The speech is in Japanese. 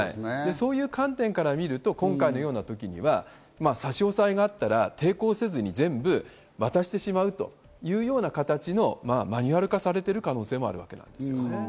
そういう観点から今回の点では差し押さえがあったら、抵抗せずに全部渡してしまうというような形、マニュアル化されている可能性があるということです。